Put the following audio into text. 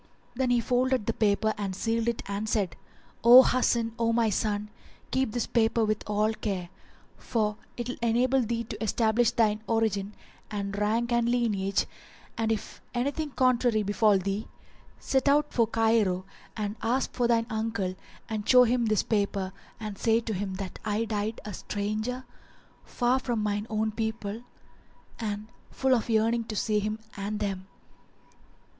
Then he folded the paper and sealed it and said, "O Hasan, O my son, keep this paper with all care; for it will enable thee to stablish thine origin and rank and lineage and, if anything contrary befal thee, set out for Cairo and ask for thine uncle and show him this paper and say to him that I died a stranger far from mine own people and full of yearning to see him and them."